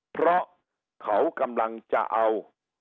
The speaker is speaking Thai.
เพราะเขากำลังจะเอา